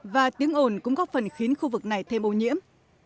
và tiếng ồn cũng góp phần khiến khu vực này thêm ô nhiễm